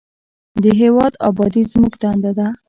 د هیواد ابادي زموږ دنده ده